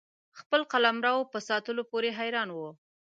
خپل قلمرو په ساتلو پوري حیران وو.